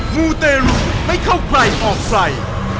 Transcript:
มูเตรุไม่เข้าใครออกใคร